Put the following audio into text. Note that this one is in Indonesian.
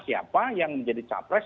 siapa yang menjadi capres